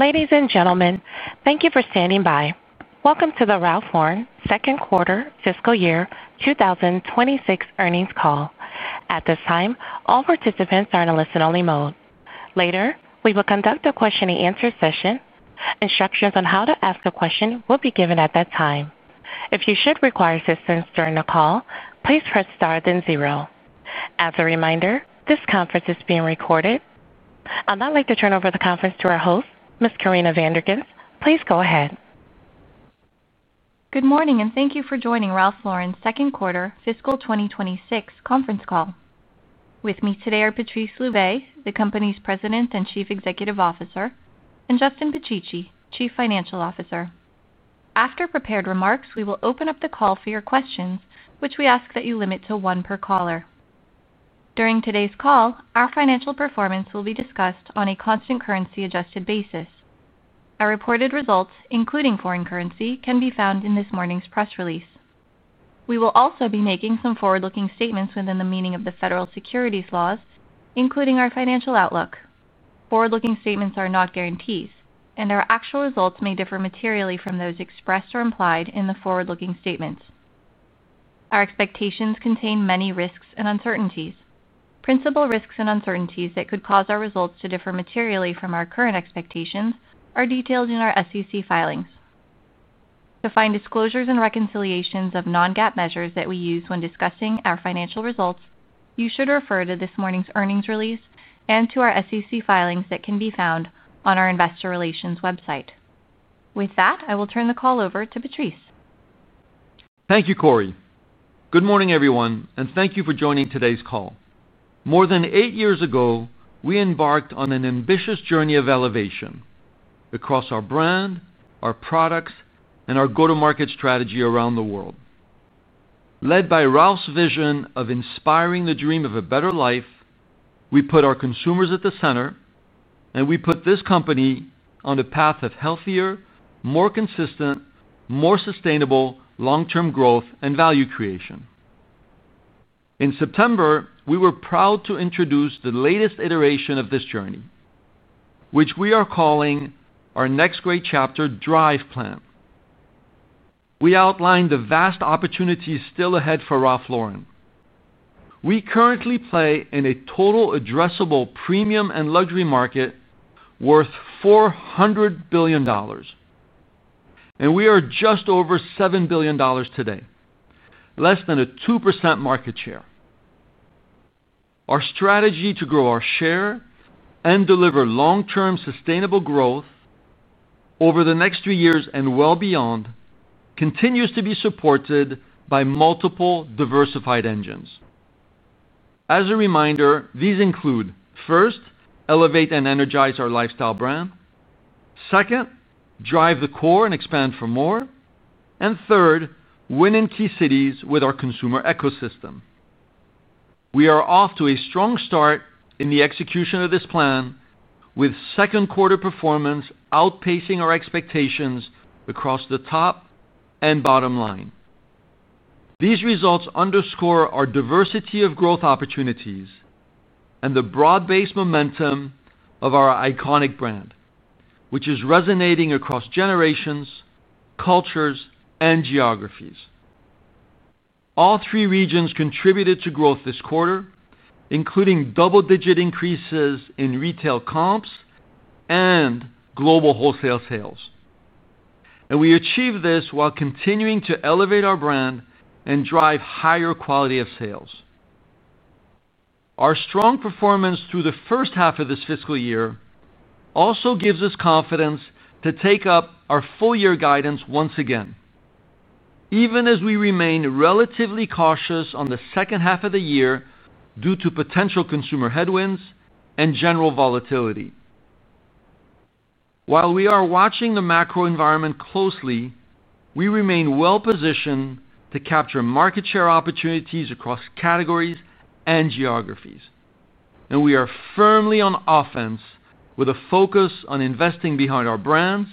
Ladies and gentlemen, thank you for standing by. Welcome to the Ralph Lauren second quarter fiscal year 2026 earnings call. At this time, all participants are in a listen-only mode. Later, we will conduct a question-and-answer session. Instructions on how to ask a question will be given at that time. If you should require assistance during the call, please press star then zero. As a reminder, this conference is being recorded. I'd now like to turn over the conference to our host, Ms. Corinna van der Ghinst. Please go ahead. Good morning, and thank you for joining Ralph Lauren's second quarter fiscal 2026 conference call. With me today are Patrice Louvet, the company's President and Chief Executive Officer, and Justin Picicci, Chief Financial Officer. After prepared remarks, we will open up the call for your questions, which we ask that you limit to one per caller. During today's call, our financial performance will be discussed on a constant currency-adjusted basis. Our reported results, including foreign currency, can be found in this morning's press release. We will also be making some forward-looking statements within the meaning of the federal securities laws, including our financial outlook. Forward-looking statements are not guarantees, and our actual results may differ materially from those expressed or implied in the forward-looking statements. Our expectations contain many risks and uncertainties. Principal risks and uncertainties that could cause our results to differ materially from our current expectations are detailed in our SEC filings. To find disclosures and reconciliations of non-GAAP measures that we use when discussing our financial results, you should refer to this morning's earnings release and to our SEC filings that can be found on our investor relations website. With that, I will turn the call over to Patrice. Thank you, Cori. Good morning, everyone, and thank you for joining today's call. More than eight years ago, we embarked on an ambitious journey of elevation across our brand, our products, and our go-to-market strategy around the world. Led by Ralph's vision of inspiring the dream of a better life, we put our consumers at the center, and we put this company on a path of healthier, more consistent, more sustainable long-term growth and value creation. In September, we were proud to introduce the latest iteration of this journey, which we are calling our Next Great Chapter Drive Plan. We outlined the vast opportunities still ahead for Ralph Lauren. We currently play in a total addressable premium and luxury market worth $400 billion. And we are just over $7 billion today, less than a 2% market share. Our strategy to grow our share and deliver long-term sustainable growth. Over the next three years and well beyond. Continues to be supported by multiple diversified engines. As a reminder, these include, first, elevate and energize our lifestyle brand. Second, drive the core and expand for more. Third, win in key cities with our consumer ecosystem. We are off to a strong start in the execution of this plan, with second quarter performance outpacing our expectations across the top and bottom line. These results underscore our diversity of growth opportunities and the broad-based momentum of our iconic brand, which is resonating across generations, cultures, and geographies. All three regions contributed to growth this quarter, including double-digit increases in retail comps and global wholesale sales. We achieved this while continuing to elevate our brand and drive higher quality of sales. Our strong performance through the first half of this fiscal year. Also gives us confidence to take up our full-year guidance once again. Even as we remain relatively cautious on the second half of the year due to potential consumer headwinds and general volatility. While we are watching the macro environment closely, we remain well-positioned to capture market share opportunities across categories and geographies. We are firmly on offense with a focus on investing behind our brands,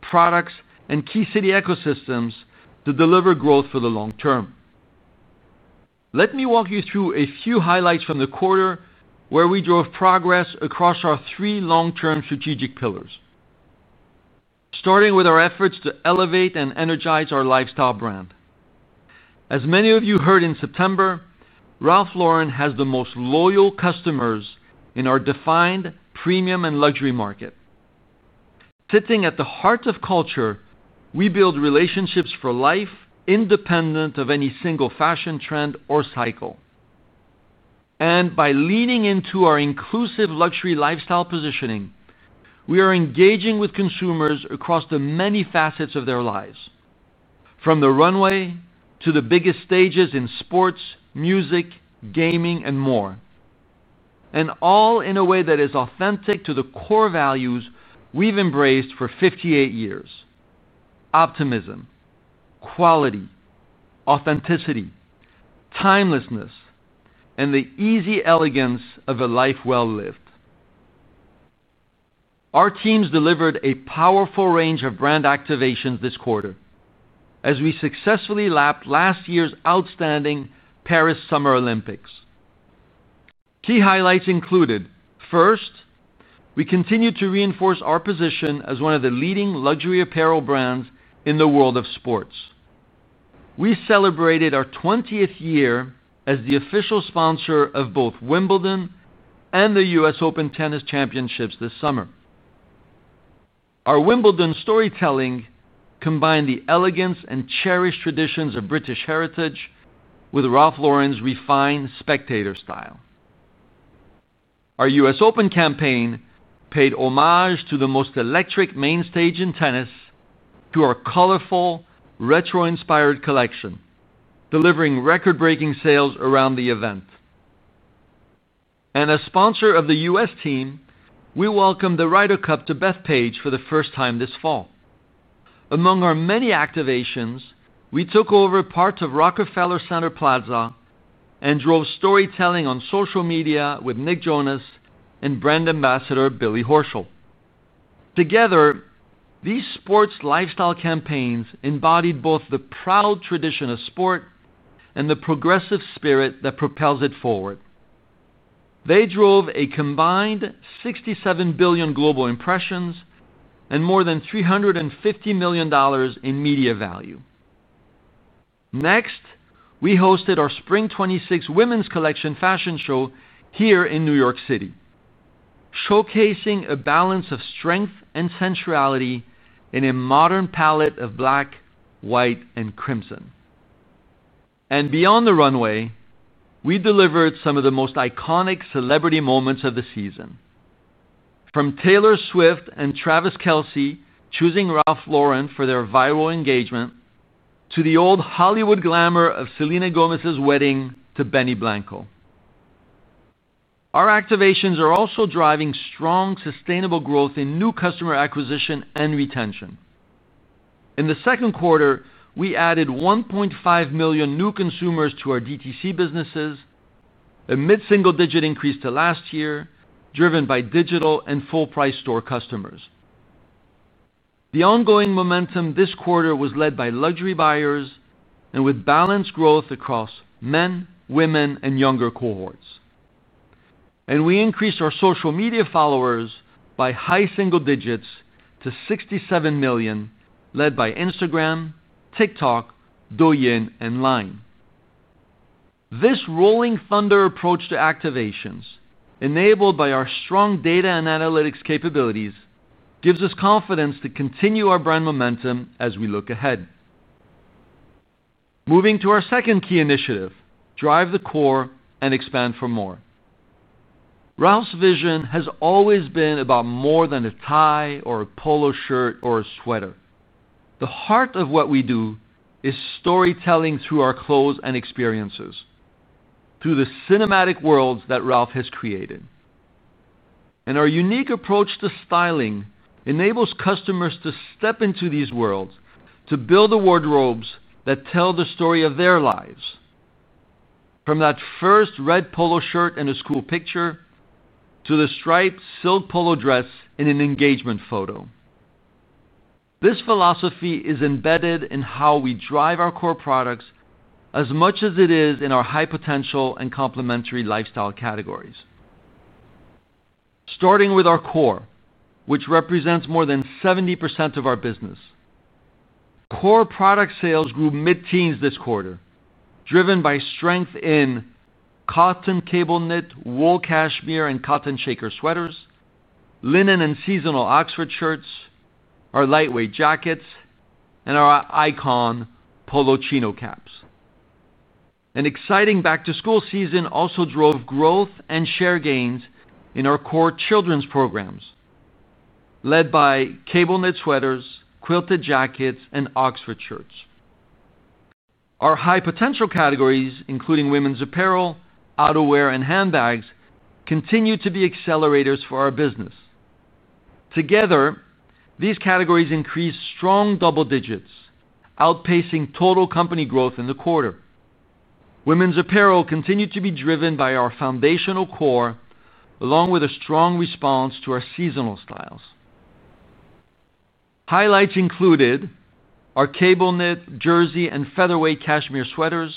products, and key city ecosystems to deliver growth for the long term. Let me walk you through a few highlights from the quarter where we drove progress across our three long-term strategic pillars. Starting with our efforts to elevate and energize our lifestyle brand. As many of you heard in September, Ralph Lauren has the most loyal customers in our defined premium and luxury market. Sitting at the heart of culture, we build relationships for life, independent of any single fashion trend or cycle. By leaning into our inclusive luxury lifestyle positioning, we are engaging with consumers across the many facets of their lives, from the runway to the biggest stages in sports, music, gaming, and more. All in a way that is authentic to the core values we have embraced for 58 years: optimism, quality, authenticity, timelessness, and the easy elegance of a life well-lived. Our teams delivered a powerful range of brand activations this quarter as we successfully lapped last year's outstanding Paris Summer Olympics. Key highlights included, first, we continue to reinforce our position as one of the leading luxury apparel brands in the world of sports. We celebrated our 20th year as the official sponsor of both Wimbledon and the US Open tennis championships this summer. Our Wimbledon storytelling combined the elegance and cherished traditions of British heritage with Ralph Lauren's refined spectator style. Our US Open campaign paid homage to the most electric main stage in tennis through our colorful, retro-inspired collection, delivering record-breaking sales around the event. As sponsor of the US team, we welcomed the Ryder Cup to Bethpage for the first time this fall. Among our many activations, we took over parts of Rockefeller Center Plaza and drove storytelling on social media with Nick Jonas and brand ambassador Billy Horschel. Together, these sports lifestyle campaigns embodied both the proud tradition of sport and the progressive spirit that propels it forward. They drove a combined 67 billion global impressions and more than $350 million in media value. Next, we hosted our Spring 2026 Women's Collection fashion show here in New York City. Showcasing a balance of strength and sensuality in a modern palette of black, white, and crimson. Beyond the runway, we delivered some of the most iconic celebrity moments of the season. From Taylor Swift and Travis Kelce choosing Ralph Lauren for their viral engagement to the old Hollywood glamor of Selena Gomez's wedding to Benny Blanco. Our activations are also driving strong sustainable growth in new customer acquisition and retention. In the second quarter, we added 1.5 million new consumers to our DTC businesses, a mid-single-digit increase to last year, driven by digital and full-price store customers. The ongoing momentum this quarter was led by luxury buyers with balanced growth across men, women, and younger cohorts. We increased our social media followers by high single digits to 67 million, led by Instagram, TikTok, Douyin, and Line. This rolling thunder approach to activations, enabled by our strong data and analytics capabilities, gives us confidence to continue our brand momentum as we look ahead. Moving to our second key initiative, drive the core and expand for more. Ralph's vision has always been about more than a tie or a polo shirt or a sweater. The heart of what we do is storytelling through our clothes and experiences, through the cinematic worlds that Ralph has created. Our unique approach to styling enables customers to step into these worlds to build the wardrobes that tell the story of their lives. From that first red polo shirt in a school picture to the striped silk polo dress in an engagement photo. This philosophy is embedded in how we drive our core products as much as it is in our high-potential and complementary lifestyle categories. Starting with our core, which represents more than 70% of our business. Core product sales grew mid-teens this quarter, driven by strength in cotton cable knit, wool cashmere, and cotton shaker sweaters, linen and seasonal Oxford shirts, our lightweight jackets, and our icon Polo chino caps. An exciting back-to-school season also drove growth and share gains in our core children's programs, led by cable knit sweaters, quilted jackets, and Oxford shirts. Our high-potential categories, including women's apparel, outerwear, and handbags, continue to be accelerators for our business. Together, these categories increased strong double digits, outpacing total company growth in the quarter. Women's apparel continued to be driven by our foundational core, along with a strong response to our seasonal styles. Highlights included our cable knit, jersey, and featherweight cashmere sweaters,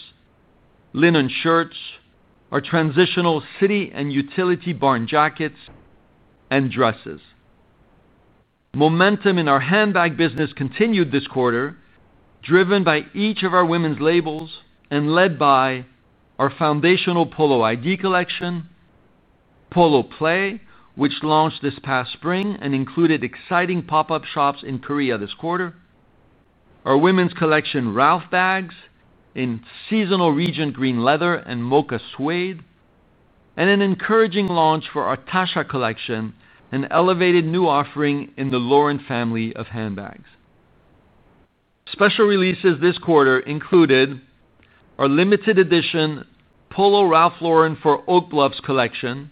linen shirts, our transitional city and utility barn jackets, and dresses. Momentum in our handbag business continued this quarter, driven by each of our women's labels and led by our foundational Polo ID collection. Polo Play, which launched this past spring and included exciting pop-up shops in Korea this quarter. Our women's collection, Ralph Bags, in seasonal Regent Green Leather and Mocha Suede. An encouraging launch for our Tasha Collection, an elevated new offering in the Lauren family of handbags. Special releases this quarter included our limited edition Polo Ralph Lauren for Oak Bluffs collection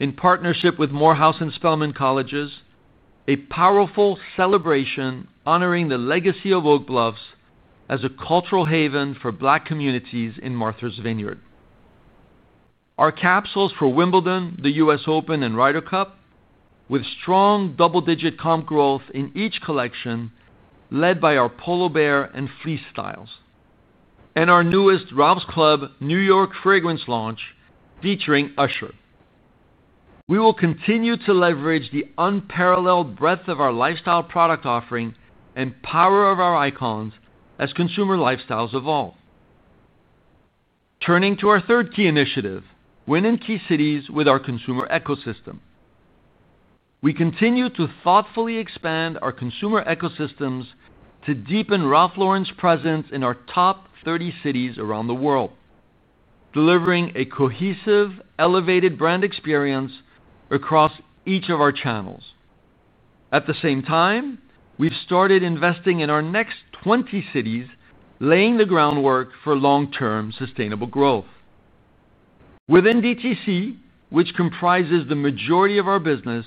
in partnership with Morehouse and Spelman Colleges, a powerful celebration honoring the legacy of Oak Bluffs as a cultural haven for Black communities in Martha's Vineyard. Our capsules for Wimbledon, the US Open, and Ryder Cup, with strong double-digit comp growth in each collection led by our Polo Bear and fleece styles. Our newest Ralph's Club New York fragrance launch featuring Usher. We will continue to leverage the unparalleled breadth of our lifestyle product offering and power of our icons as consumer lifestyles evolve. Turning to our third key initiative, win in key cities with our consumer ecosystem. We continue to thoughtfully expand our consumer ecosystems to deepen Ralph Lauren's presence in our top 30 cities around the world, delivering a cohesive, elevated brand experience across each of our channels. At the same time, we've started investing in our next 20 cities, laying the groundwork for long-term sustainable growth. Within DTC, which comprises the majority of our business,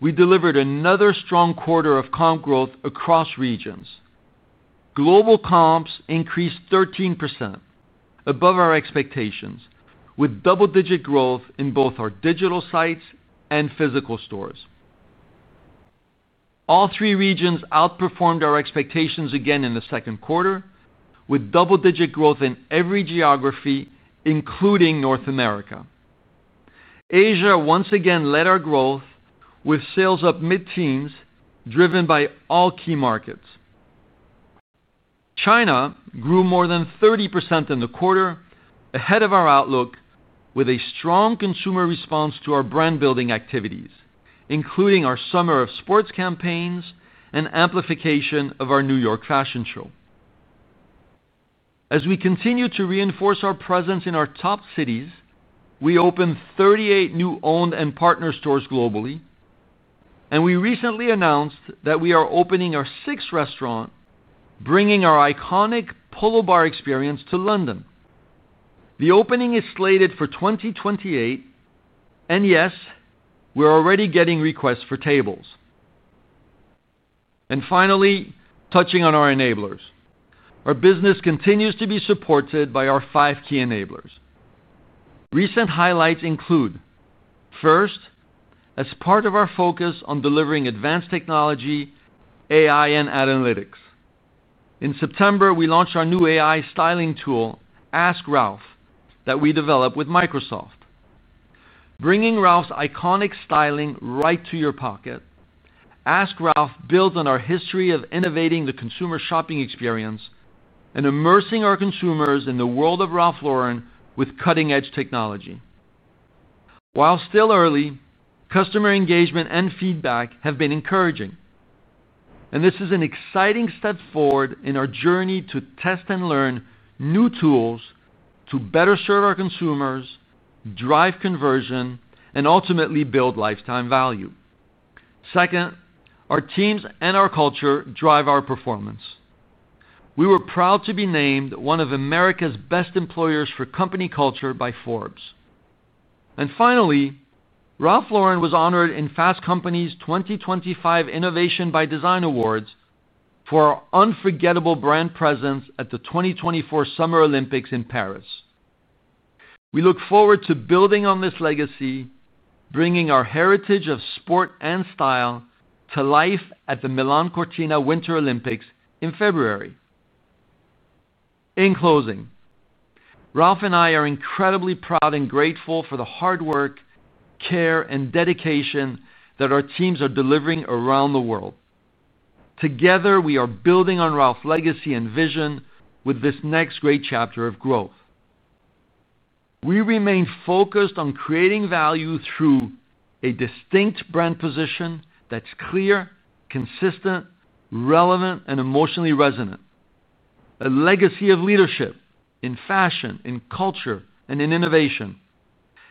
we delivered another strong quarter of comp growth across regions. Global comps increased 13%, above our expectations, with double-digit growth in both our digital sites and physical stores. All three regions outperformed our expectations again in the second quarter, with double-digit growth in every geography, including North America. Asia once again led our growth, with sales up mid-teens, driven by all key markets. China grew more than 30% in the quarter, ahead of our outlook, with a strong consumer response to our brand-building activities, including our summer of sports campaigns and amplification of our New York fashion show. As we continue to reinforce our presence in our top cities, we opened 38 new owned and partner stores globally, and we recently announced that we are opening our sixth restaurant, bringing our iconic Polo Bar experience to London. The opening is slated for 2028. Yes, we're already getting requests for tables. Finally, touching on our enablers, our business continues to be supported by our five key enablers. Recent highlights include. First. As part of our focus on delivering advanced technology, AI, and analytics. In September, we launched our new AI styling tool, Ask Ralph, that we developed with Microsoft. Bringing Ralph's iconic styling right to your pocket, Ask Ralph builds on our history of innovating the consumer shopping experience and immersing our consumers in the world of Ralph Lauren with cutting-edge technology. While still early, customer engagement and feedback have been encouraging. This is an exciting step forward in our journey to test and learn new tools to better serve our consumers, drive conversion, and ultimately build lifetime value. Second, our teams and our culture drive our performance. We were proud to be named one of America's best employers for company culture by Forbes. Finally, Ralph Lauren was honored in Fast Company's 2025 Innovation by Design Awards for our unforgettable brand presence at the 2024 Summer Olympics in Paris. We look forward to building on this legacy, bringing our heritage of sport and style to life at the Milan Cortina Winter Olympics in February. In closing, Ralph and I are incredibly proud and grateful for the hard work, care, and dedication that our teams are delivering around the world. Together, we are building on Ralph's legacy and vision with this next great chapter of growth. We remain focused on creating value through a distinct brand position that is clear, consistent, relevant, and emotionally resonant. A legacy of leadership in fashion, in culture, and in innovation,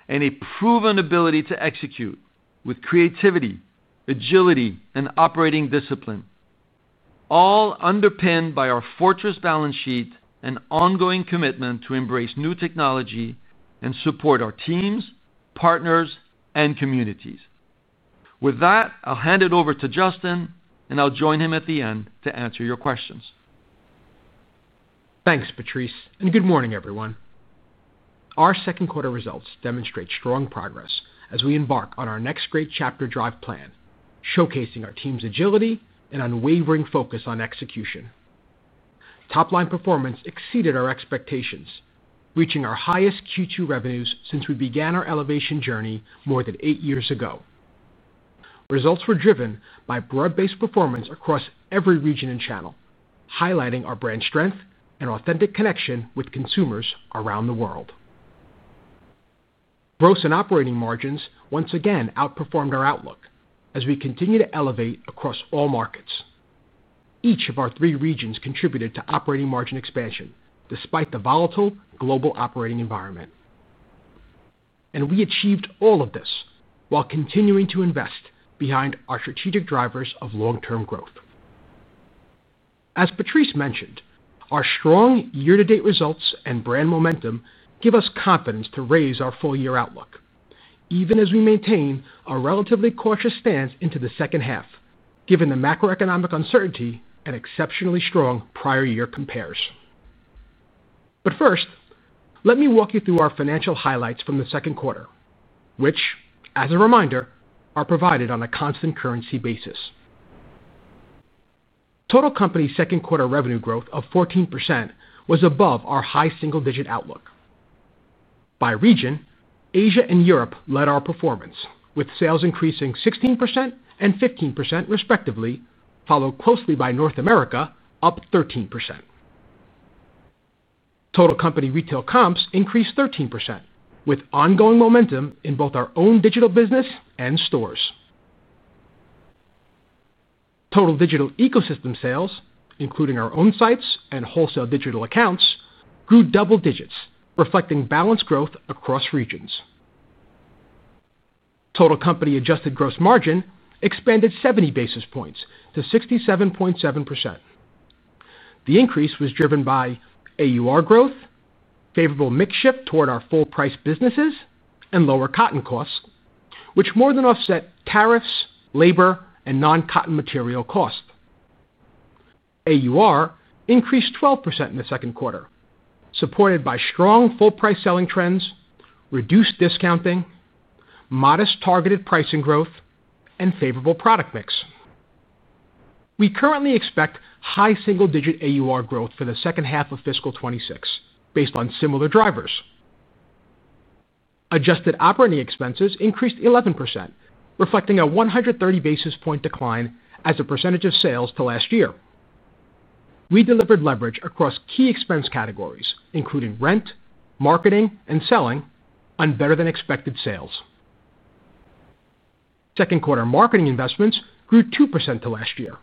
and a proven ability to execute with creativity, agility, and operating discipline. All underpinned by our fortress balance sheet and ongoing commitment to embrace new technology and support our teams, partners, and communities. With that, I'll hand it over to Justin, and I'll join him at the end to answer your questions. Thanks, Patrice, and good morning, everyone. Our second quarter results demonstrate strong progress as we embark on our Next Great Chapter Drive Plan, showcasing our team's agility and unwavering focus on execution. Top-line performance exceeded our expectations, reaching our highest Q2 revenues since we began our elevation journey more than eight years ago. Results were driven by broad-based performance across every region and channel, highlighting our brand strength and authentic connection with consumers around the world. Gross and operating margins once again outperformed our outlook as we continue to elevate across all markets. Each of our three regions contributed to operating margin expansion despite the volatile global operating environment. We achieved all of this while continuing to invest behind our strategic drivers of long-term growth. As Patrice mentioned, our strong year-to-date results and brand momentum give us confidence to raise our full-year outlook, even as we maintain a relatively cautious stance into the second half, given the macroeconomic uncertainty and exceptionally strong prior-year comparisons. First, let me walk you through our financial highlights from the second quarter, which, as a reminder, are provided on a constant currency basis. Total Company's second quarter revenue growth of 14% was above our high single-digit outlook. By region, Asia and Europe led our performance, with sales increasing 16% and 15% respectively, followed closely by North America, up 13%. Total Company retail comps increased 13%, with ongoing momentum in both our own digital business and stores. Total digital ecosystem sales, including our own sites and wholesale digital accounts, grew double digits, reflecting balanced growth across regions. Total Company adjusted gross margin expanded 70 basis points to 67.7%. The increase was driven by AUR growth, favorable mix shift toward our full-price businesses, and lower cotton costs, which more than offset tariffs, labor, and non-cotton material costs. AUR increased 12% in the second quarter, supported by strong full-price selling trends, reduced discounting, modest targeted pricing growth, and favorable product mix. We currently expect high single-digit AUR growth for the second half of fiscal 2026, based on similar drivers. Adjusted operating expenses increased 11%, reflecting a 130 basis point decline as a percentage of sales to last year. We delivered leverage across key expense categories, including rent, marketing, and selling, on better-than-expected sales. Second quarter marketing investments grew 2% to last year.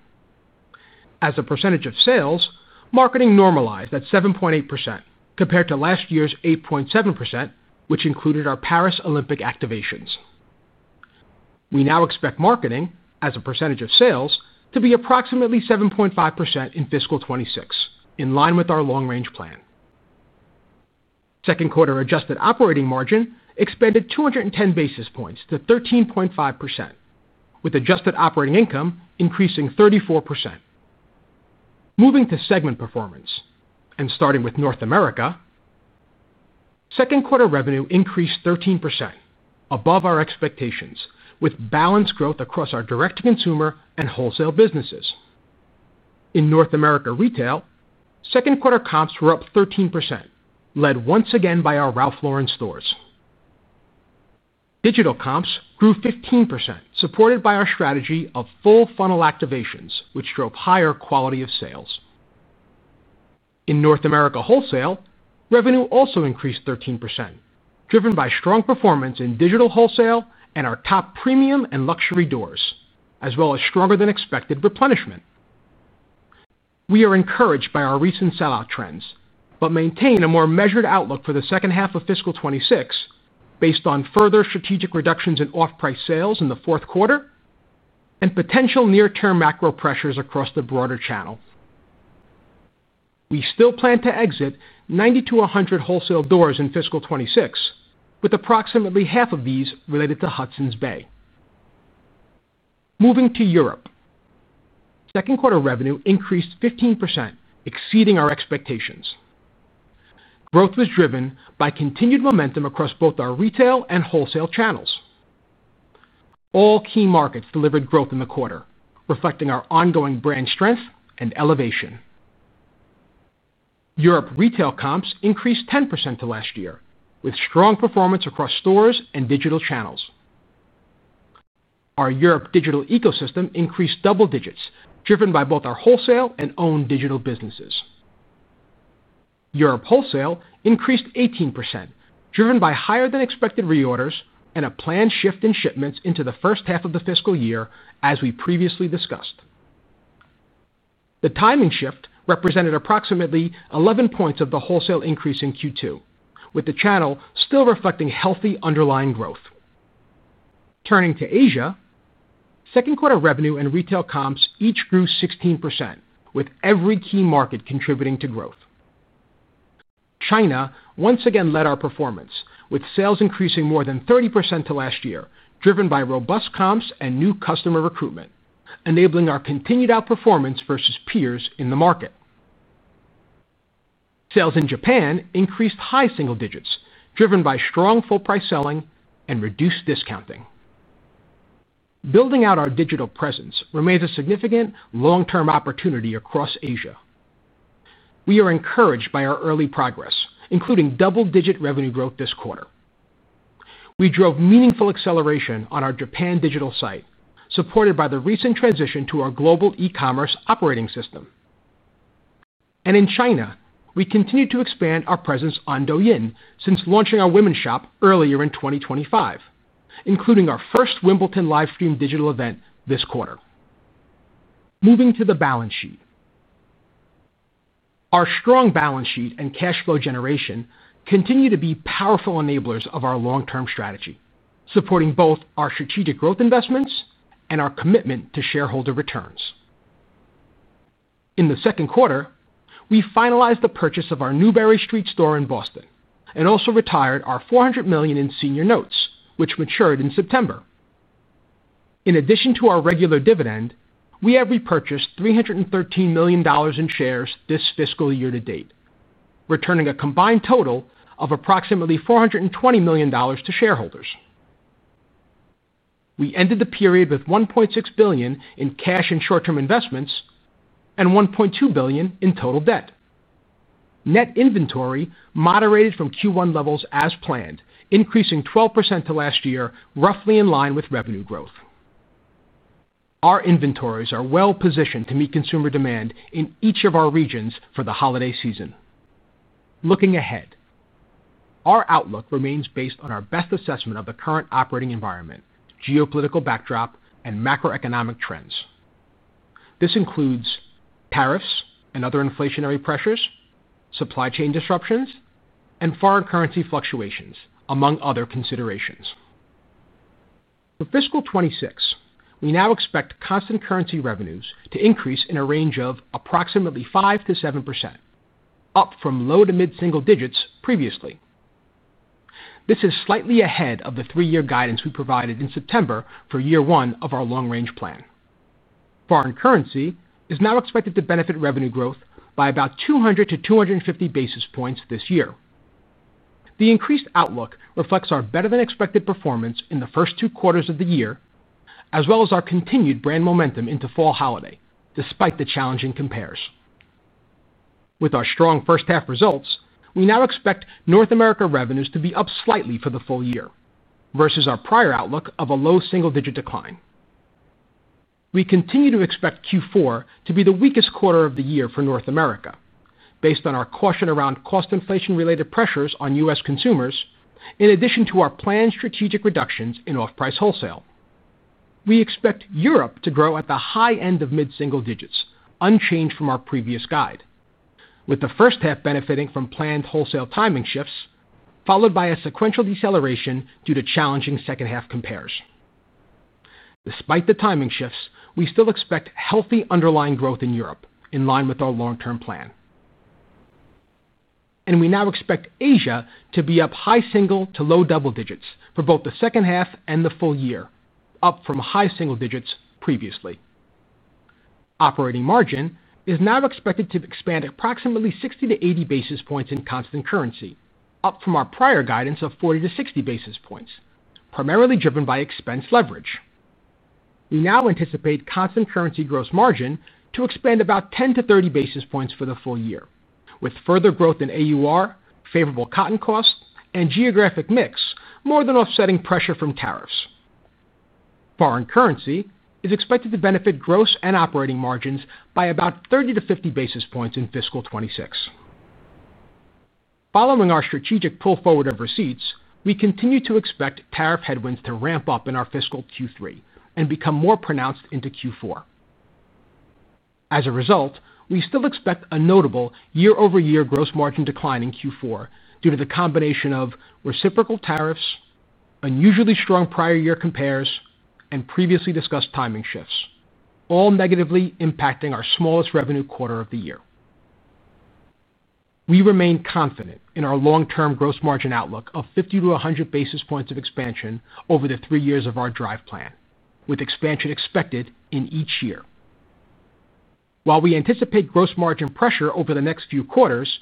As a percentage of sales, marketing normalized at 7.8% compared to last year's 8.7%, which included our Paris Olympic activations. We now expect marketing, as a percentage of sales, to be approximately 7.5% in fiscal 2026, in line with our long-range plan. Second quarter adjusted operating margin expanded 210 basis points to 13.5%, with adjusted operating income increasing 34%. Moving to segment performance, and starting with North America. Second quarter revenue increased 13%, above our expectations, with balanced growth across our direct-to-consumer and wholesale businesses. In North America retail, second quarter comps were up 13%, led once again by our Ralph Lauren stores. Digital comps grew 15%, supported by our strategy of full funnel activations, which drove higher quality of sales. In North America wholesale, revenue also increased 13%, driven by strong performance in digital wholesale and our top premium and luxury doors, as well as stronger-than-expected replenishment. We are encouraged by our recent sellout trends, but maintain a more measured outlook for the second half of fiscal 2026, based on further strategic reductions in off-price sales in the fourth quarter and potential near-term macro pressures across the broader channel. We still plan to exit 90-100 wholesale doors in fiscal 2026, with approximately half of these related to Hudson's Bay. Moving to Europe. Second quarter revenue increased 15%, exceeding our expectations. Growth was driven by continued momentum across both our retail and wholesale channels. All key markets delivered growth in the quarter, reflecting our ongoing brand strength and elevation. Europe retail comps increased 10% to last year, with strong performance across stores and digital channels. Our Europe digital ecosystem increased double digits, driven by both our wholesale and own digital businesses. Europe wholesale increased 18%, driven by higher-than-expected reorders and a planned shift in shipments into the first half of the fiscal year, as we previously discussed. The timing shift represented approximately 11 points of the wholesale increase in Q2, with the channel still reflecting healthy underlying growth. Turning to Asia. Second quarter revenue and retail comps each grew 16%, with every key market contributing to growth. China once again led our performance, with sales increasing more than 30% to last year, driven by robust comps and new customer recruitment, enabling our continued outperformance versus peers in the market. Sales in Japan increased high single digits, driven by strong full-price selling and reduced discounting. Building out our digital presence remains a significant long-term opportunity across Asia. We are encouraged by our early progress, including double-digit revenue growth this quarter. We drove meaningful acceleration on our Japan digital site, supported by the recent transition to our global e-commerce operating system. In China, we continue to expand our presence on Douyin since launching our women's shop earlier in 2025, including our first Wimbledon livestream digital event this quarter. Moving to the balance sheet. Our strong balance sheet and cash flow generation continue to be powerful enablers of our long-term strategy, supporting both our strategic growth investments and our commitment to shareholder returns. In the second quarter, we finalized the purchase of our Newberry Street store in Boston and also retired our $400 million in senior notes, which matured in September. In addition to our regular dividend, we have repurchased $313 million in shares this fiscal year to date, returning a combined total of approximately $420 million to shareholders. We ended the period with $1.6 billion in cash and short-term investments and $1.2 billion in total debt. Net inventory moderated from Q1 levels as planned, increasing 12% to last year, roughly in line with revenue growth. Our inventories are well-positioned to meet consumer demand in each of our regions for the holiday season. Looking ahead, our outlook remains based on our best assessment of the current operating environment, geopolitical backdrop, and macroeconomic trends. This includes tariffs and other inflationary pressures, supply chain disruptions, and foreign currency fluctuations, among other considerations. For fiscal 2026, we now expect constant currency revenues to increase in a range of approximately 5%-7%, up from low to mid-single digits previously. This is slightly ahead of the three-year guidance we provided in September for year one of our long-range plan. Foreign currency is now expected to benefit revenue growth by about 200-250 basis points this year. The increased outlook reflects our better-than-expected performance in the first two quarters of the year, as well as our continued brand momentum into fall holiday, despite the challenging comparisons. With our strong first-half results, we now expect North America revenues to be up slightly for the full year versus our prior outlook of a low single-digit decline. We continue to expect Q4 to be the weakest quarter of the year for North America, based on our caution around cost inflation-related pressures on U.S. consumers, in addition to our planned strategic reductions in off-price wholesale. We expect Europe to grow at the high end of mid-single digits, unchanged from our previous guide, with the first half benefiting from planned wholesale timing shifts, followed by a sequential deceleration due to challenging second-half comparisons. Despite the timing shifts, we still expect healthy underlying growth in Europe, in line with our long-term plan. We now expect Asia to be up high single to low double digits for both the second half and the full year, up from high single digits previously. Operating margin is now expected to expand approximately 60-80 basis points in constant currency, up from our prior guidance of 40-60 basis points, primarily driven by expense leverage. We now anticipate constant currency gross margin to expand about 10-30 basis points for the full year, with further growth in AUR, favorable cotton costs, and geographic mix more than offsetting pressure from tariffs. Foreign currency is expected to benefit gross and operating margins by about 30-50 basis points in fiscal 2026. Following our strategic pull forward of receipts, we continue to expect tariff headwinds to ramp up in our fiscal Q3 and become more pronounced into Q4. As a result, we still expect a notable year-over-year gross margin decline in Q4 due to the combination of reciprocal tariffs, unusually strong prior-year comparisons, and previously discussed timing shifts, all negatively impacting our smallest revenue quarter of the year. We remain confident in our long-term gross margin outlook of 50-100 basis points of expansion over the three years of our drive plan, with expansion expected in each year. While we anticipate gross margin pressure over the next few quarters,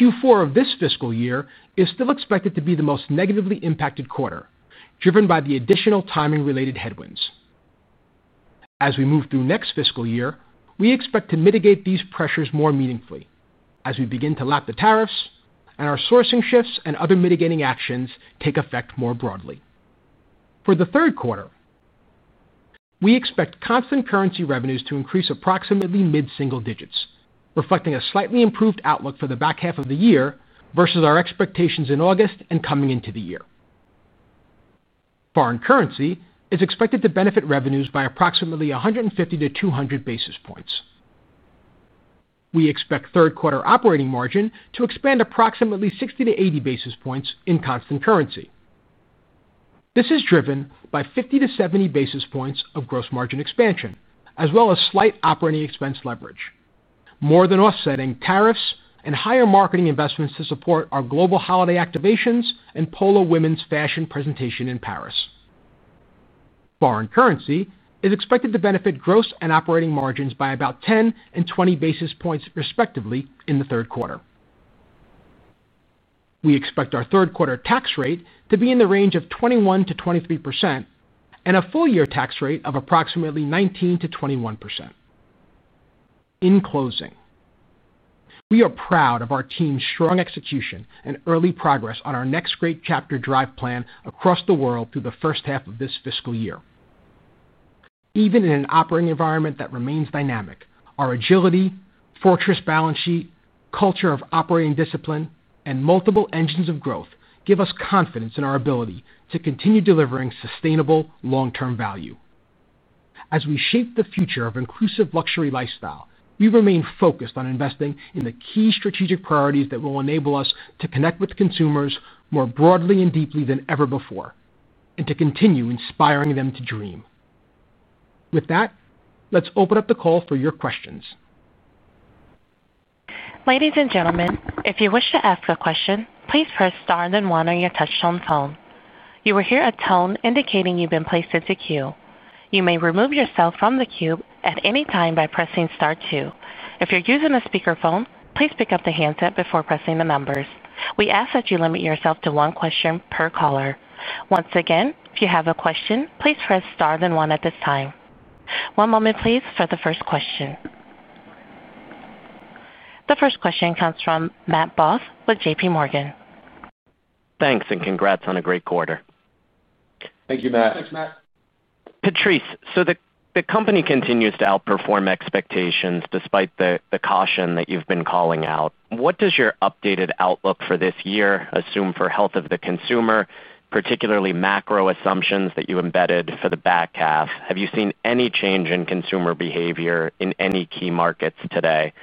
Q4 of this fiscal year is still expected to be the most negatively impacted quarter, driven by the additional timing-related headwinds. As we move through next fiscal year, we expect to mitigate these pressures more meaningfully as we begin to lap the tariffs and our sourcing shifts and other mitigating actions take effect more broadly. For the third quarter, we expect constant currency revenues to increase approximately mid-single digits, reflecting a slightly improved outlook for the back half of the year versus our expectations in August and coming into the year. Foreign currency is expected to benefit revenues by approximately 150-200 basis points. We expect third-quarter operating margin to expand approximately 60-80 basis points in constant currency. This is driven by 50-70 basis points of gross margin expansion, as well as slight operating expense leverage, more than offsetting tariffs and higher marketing investments to support our global holiday activations and Polo Women's Fashion presentation in Paris. Foreign currency is expected to benefit gross and operating margins by about 10 and 20 basis points, respectively, in the third quarter. We expect our third-quarter tax rate to be in the range of 21%-23% and a full-year tax rate of approximately 19%-21%. In closing, we are proud of our team's strong execution and early progress on our Next Great Chapter Drive Plan across the world through the first half of this fiscal year. Even in an operating environment that remains dynamic, our agility, fortress balance sheet, culture of operating discipline, and multiple engines of growth give us confidence in our ability to continue delivering sustainable long-term value. As we shape the future of inclusive luxury lifestyle, we remain focused on investing in the key strategic priorities that will enable us to connect with consumers more broadly and deeply than ever before and to continue inspiring them to dream. With that, let's open up the call for your questions. Ladies and gentlemen, if you wish to ask a question, please press Star and then 1 on your touch-tone phone. You will hear a tone indicating you have been placed into queue. You may remove yourself from the queue at any time by pressing Star two. If you're using a speakerphone, please pick up the handset before pressing the numbers. We ask that you limit yourself to one question per caller. Once again, if you have a question, please press Star and then one at this time. One moment, please, for the first question. The first question comes from Matt Boss with JPMorgan. Thanks, and congrats on a great quarter. Thank you, Matt. Thanks, Matt. Patrice, so the company continues to outperform expectations despite the caution that you've been calling out. What does your updated outlook for this year assume for health of the consumer, particularly macro assumptions that you embedded for the back half? Have you seen any change in consumer behavior in any key markets today?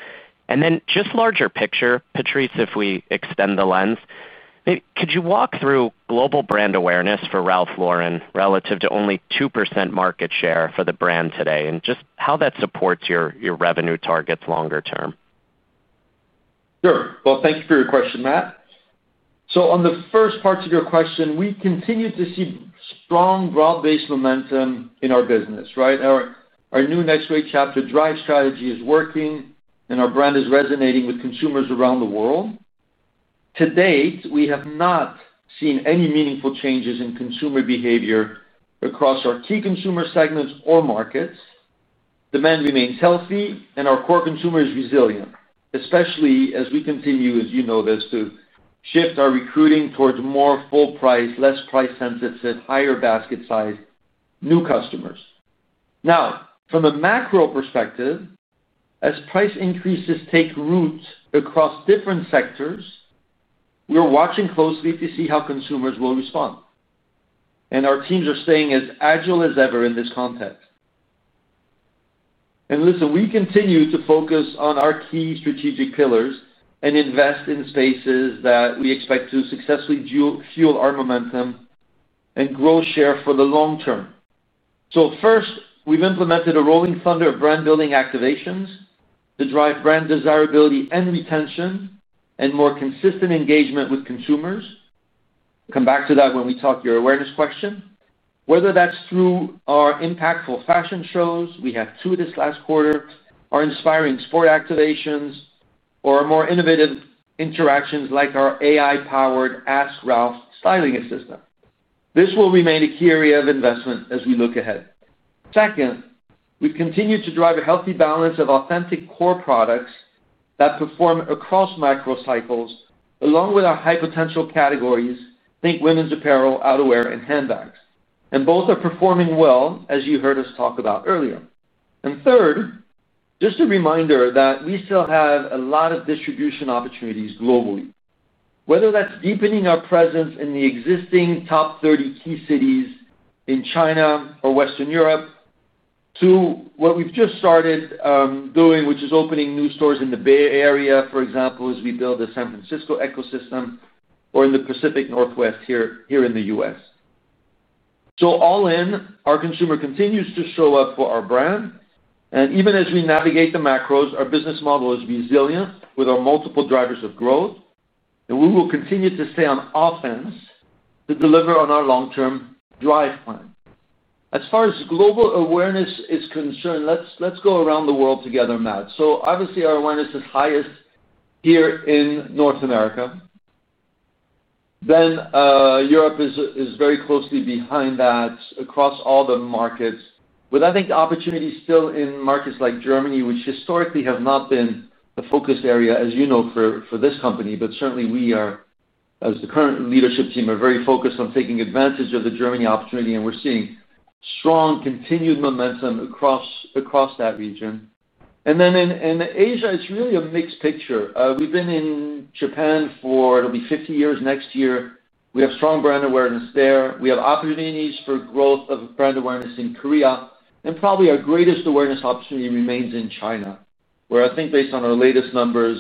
And then just larger picture, Patrice, if we extend the lens, could you walk through global brand awareness for Ralph Lauren relative to only 2% market share for the brand today and just how that supports your revenue targets longer term? Sure. Thank you for your question, Matt. On the first parts of your question, we continue to see strong, broad-based momentum in our business, right? Our new Next Great Chapter Drive strategy is working, and our brand is resonating with consumers around the world. To date, we have not seen any meaningful changes in consumer behavior across our key consumer segments or markets. Demand remains healthy, and our core consumer is resilient, especially as we continue, as you know this, to shift our recruiting towards more full price, less price sensitive, higher basket size new customers. Now, from a macro perspective. As price increases take root across different sectors, we are watching closely to see how consumers will respond. Our teams are staying as agile as ever in this context. Listen, we continue to focus on our key strategic pillars and invest in spaces that we expect to successfully fuel our momentum and grow share for the long term. First, we've implemented a rolling thunder of brand-building activations to drive brand desirability and retention and more consistent engagement with consumers. I'll come back to that when we talk about your awareness question, whether that's through our impactful fashion shows—we had two this last quarter—our inspiring sport activations, or our more innovative interactions like our AI-powered Ask Ralph styling assistant. This will remain a key area of investment as we look ahead. Second, we continue to drive a healthy balance of authentic core products that perform across macro cycles along with our high-potential categories—think women's apparel, outerwear, and handbags—and both are performing well, as you heard us talk about earlier. Third, just a reminder that we still have a lot of distribution opportunities globally, whether that's deepening our presence in the existing top 30 key cities in China or Western Europe. To what we've just started doing, which is opening new stores in the Bay Area, for example, as we build the San Francisco ecosystem, or in the Pacific Northwest here in the U.S. All in, our consumer continues to show up for our brand. Even as we navigate the macros, our business model is resilient with our multiple drivers of growth, and we will continue to stay on offense to deliver on our long-term drive plan. As far as global awareness is concerned, let's go around the world together, Matt. Obviously, our awareness is highest here in North America. Europe is very closely behind that across all the markets. I think the opportunity is still in markets like Germany, which historically has not been the focus area, as you know, for this company. Certainly, we are, as the current leadership team, very focused on taking advantage of the Germany opportunity, and we're seeing strong continued momentum across that region. In Asia, it's really a mixed picture. We've been in Japan for—it'll be 50 years next year—we have strong brand awareness there. We have opportunities for growth of brand awareness in Korea. Probably our greatest awareness opportunity remains in China, where I think, based on our latest numbers,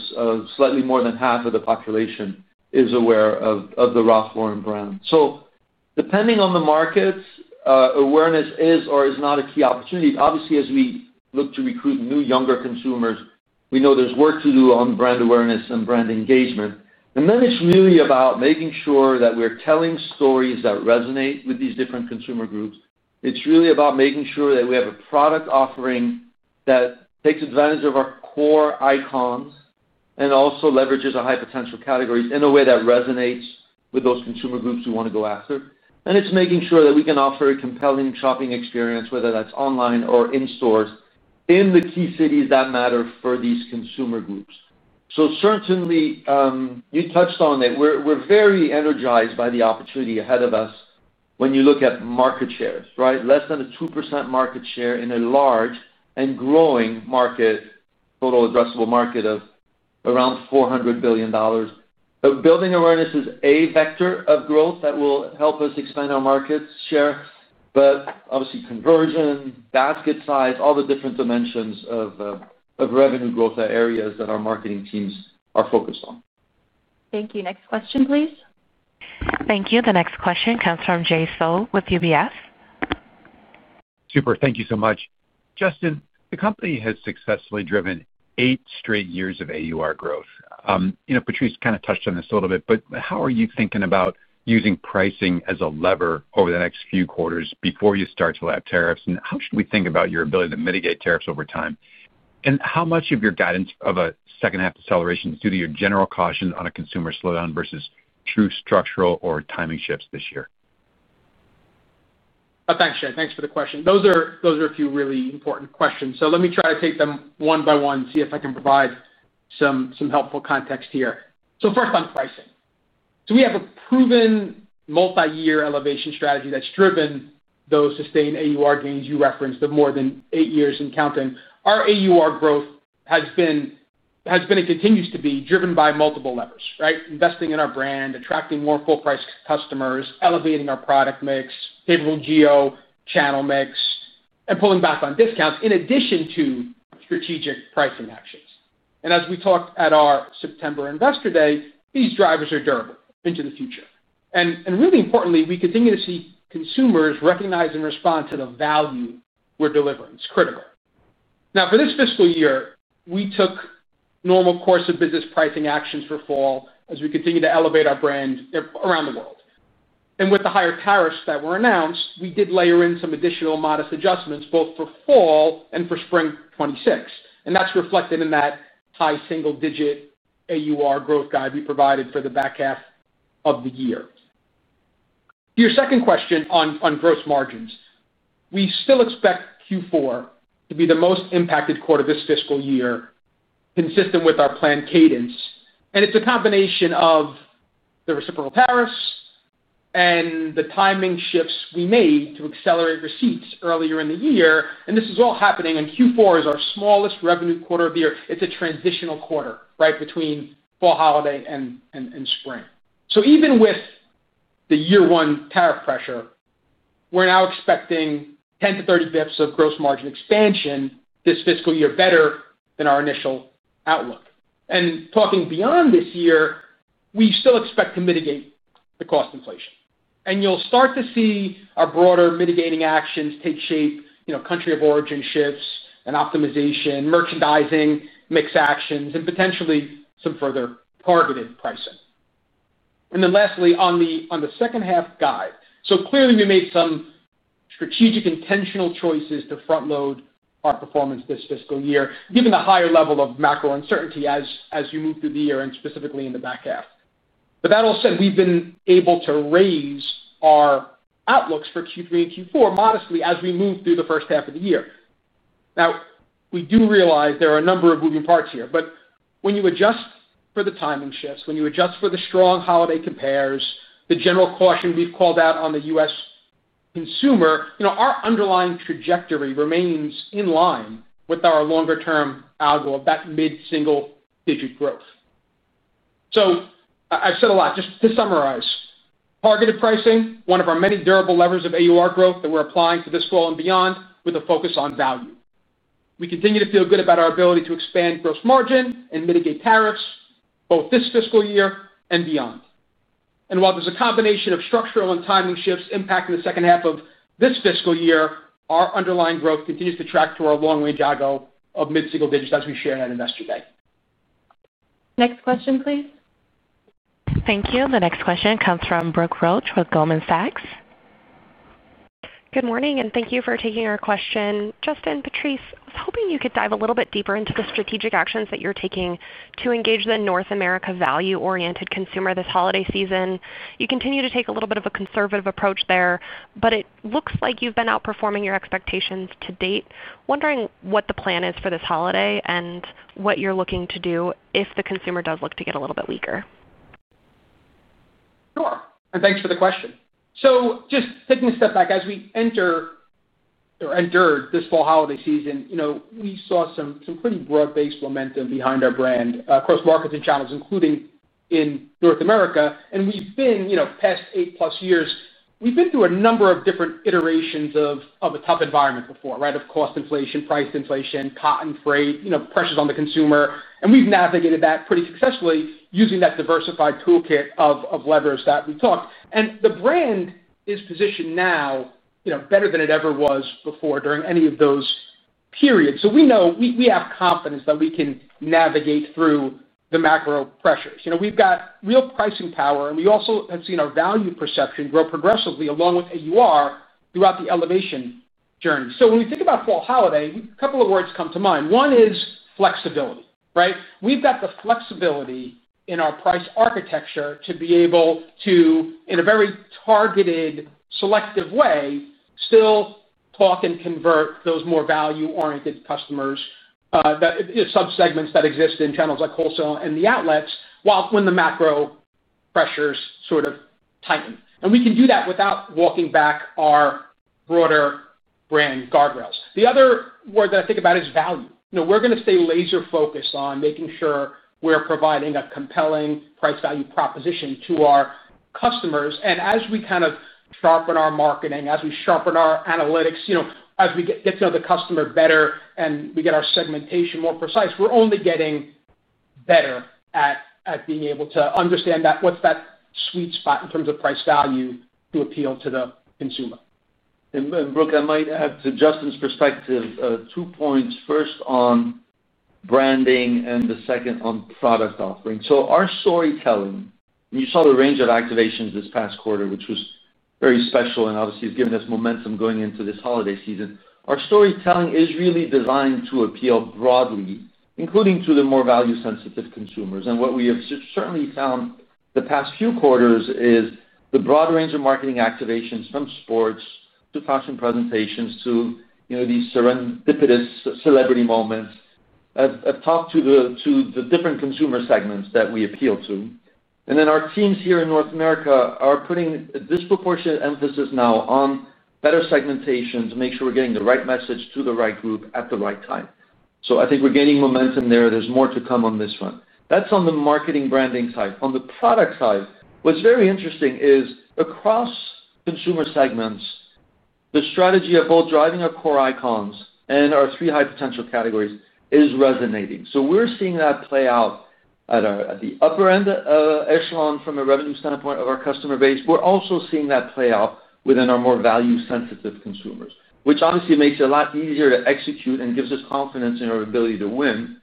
slightly more than half of the population is aware of the Ralph Lauren brand. Depending on the markets, awareness is or is not a key opportunity. Obviously, as we look to recruit new, younger consumers, we know there's work to do on brand awareness and brand engagement. It's really about making sure that we're telling stories that resonate with these different consumer groups. It's really about making sure that we have a product offering that takes advantage of our core icons and also leverages our high-potential categories in a way that resonates with those consumer groups we want to go after. It's making sure that we can offer a compelling shopping experience, whether that's online or in-store, in the key cities that matter for these consumer groups. Certainly, you touched on it. We're very energized by the opportunity ahead of us when you look at market shares, right? Less than a 2% market share in a large and growing market, total addressable market of around $400 billion. Building awareness is a vector of growth that will help us expand our market share. Obviously, conversion, basket size, all the different dimensions of revenue growth areas that our marketing teams are focused on. Thank you. Next question, please. Thank you. The next question comes from Jay Sole with UBS. Super. Thank you so much. Justin, the company has successfully driven eight straight years of AUR growth. Patrice kind of touched on this a little bit, but how are you thinking about using pricing as a lever over the next few quarters before you start to lap tariffs? And how should we think about your ability to mitigate tariffs over time? And how much of your guidance of a second-half acceleration is due to your general caution on a consumer slowdown versus true structural or timing shifts this year? Thanks, Jay. Thanks for the question. Those are a few really important questions. Let me try to take them one by one, see if I can provide some helpful context here. First, on pricing. We have a proven multi-year elevation strategy that's driven those sustained AUR gains you referenced of more than eight years and counting. Our AUR growth has been, and continues to be, driven by multiple levers, right? Investing in our brand, attracting more full-price customers, elevating our product mix, capable geo channel mix, and pulling back on discounts in addition to strategic pricing actions. As we talked at our September Investor Day, these drivers are durable into the future. Really importantly, we continue to see consumers recognize and respond to the value we're delivering. It's critical. Now, for this fiscal year, we took normal course of business pricing actions for fall as we continue to elevate our brand around the world. With the higher tariffs that were announced, we did layer in some additional modest adjustments both for fall and for spring 2026. That is reflected in that high single-digit AUR growth guide we provided for the back half of the year. Your second question on gross margins, we still expect Q4 to be the most impacted quarter of this fiscal year, consistent with our planned cadence. It is a combination of the reciprocal tariffs and the timing shifts we made to accelerate receipts earlier in the year. This is all happening in Q4 as our smallest revenue quarter of the year. It is a transitional quarter, right, between fall holiday and spring. Even with the year-one tariff pressure, we are now expecting 10-30 basis points of gross margin expansion this fiscal year, better than our initial outlook. Talking beyond this year, we still expect to mitigate the cost inflation. You'll start to see our broader mitigating actions take shape, country of origin shifts and optimization, merchandising mix actions, and potentially some further targeted pricing. Lastly, on the second-half guide, we made some strategic intentional choices to front-load our performance this fiscal year, given the higher level of macro uncertainty as you move through the year and specifically in the back half. That all said, we've been able to raise our outlooks for Q3 and Q4 modestly as we move through the first half of the year. We do realize there are a number of moving parts here. When you adjust for the timing shifts, when you adjust for the strong holiday compares, the general caution we've called out on the U.S. consumer, our underlying trajectory remains in line with our longer-term outlook of that mid-single-digit growth. I've said a lot. Just to summarize, targeted pricing, one of our many durable levers of AUR growth that we're applying to this fall and beyond with a focus on value. We continue to feel good about our ability to expand gross margin and mitigate tariffs both this fiscal year and beyond. While there's a combination of structural and timing shifts impacting the second half of this fiscal year, our underlying growth continues to track to our long-range outlook of mid-single digits as we share that investor guide. Next question, please. Thank you. The next question comes from Brooke Roach with Goldman Sachs. Good morning, and thank you for taking our question. Justin, Patrice, I was hoping you could dive a little bit deeper into the strategic actions that you're taking to engage the North America value-oriented consumer this holiday season. You continue to take a little bit of a conservative approach there, but it looks like you've been outperforming your expectations to date. Wondering what the plan is for this holiday and what you're looking to do if the consumer does look to get a little bit weaker. Sure. Thanks for the question. Just taking a step back, as we entered this fall holiday season, we saw some pretty broad-based momentum behind our brand across markets and channels, including in North America. We've been, past eight-plus years, we've been through a number of different iterations of a tough environment before, right? Of cost inflation, price inflation, cotton, freight, pressures on the consumer. We've navigated that pretty successfully using that diversified toolkit of levers that we talked. The brand is positioned now better than it ever was before during any of those periods. We have confidence that we can navigate through the macro pressures. We've got real pricing power, and we also have seen our value perception grow progressively along with AUR throughout the elevation journey. When we think about fall holiday, a couple of words come to mind. One is flexibility, right? We've got the flexibility in our price architecture to be able to, in a very targeted, selective way, still talk and convert those more value-oriented customers. Subsegments that exist in channels like wholesale and the outlets when the macro pressures sort of tighten. We can do that without walking back our broader brand guardrails. The other word that I think about is value. We're going to stay laser-focused on making sure we're providing a compelling price value proposition to our customers. As we kind of sharpen our marketing, as we sharpen our analytics, as we get to know the customer better and we get our segmentation more precise, we're only getting better at being able to understand what's that sweet spot in terms of price value to appeal to the consumer. Brooke, I might add to Justin's perspective, two points. First on branding and the second on product offering. Our storytelling, and you saw the range of activations this past quarter, which was very special and obviously has given us momentum going into this holiday season, our storytelling is really designed to appeal broadly, including to the more value-sensitive consumers. What we have certainly found the past few quarters is the broad range of marketing activations from sports to fashion presentations to these serendipitous celebrity moments. I've talked to the different consumer segments that we appeal to. Our teams here in North America are putting a disproportionate emphasis now on better segmentation to make sure we're getting the right message to the right group at the right time. I think we're gaining momentum there. There's more to come on this front. That's on the marketing branding side. On the product side, what's very interesting is across consumer segments, the strategy of both driving our core icons and our three high-potential categories is resonating. We're seeing that play out at the upper end of the echelon from a revenue standpoint of our customer base. We're also seeing that play out within our more value-sensitive consumers, which obviously makes it a lot easier to execute and gives us confidence in our ability to win